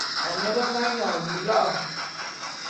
Ane be nga nyon bilo'o.